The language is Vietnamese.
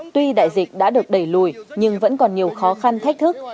tuy đại dịch đã được đẩy lùi nhưng vẫn còn nhiều khó khăn thách thức